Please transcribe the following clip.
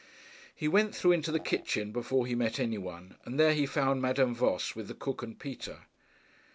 He went through into the kitchen before he met any one, and there he found Madame Voss with the cook and Peter.